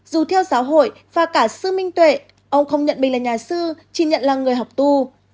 dù theo giáo hội và cả sư minh tuệ ông không nhận mình là nhà sư chỉ nhận là người học tu